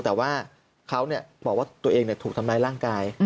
แต่ว่าเขาบอกว่าตัวเองถูกทำร้ายร่างกาย